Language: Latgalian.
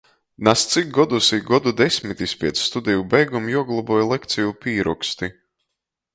Naz, cik godus i godu desmitis piec studeju beigu juogloboj lekceju pīroksti?